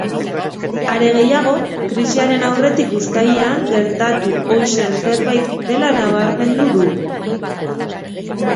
Are gehiago, krisiaren aurretik uztailean gertatu ohi zen zerbait dela nabarmendu du.